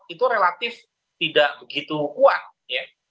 itu relatif tidak begitu kuat ya